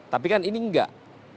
tapi kan ini enggak